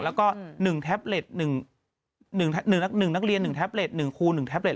แล้วก็๑นักเรียน๑คูและ๑แท็บเล็ต